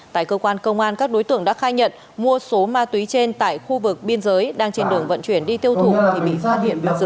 tại cơ quan công an các đối tượng đã khai nhận mua số ma túy trên tại khu vực biên giới đang trên đường vận chuyển đi tiêu thụ thì bị phát hiện bắt giữ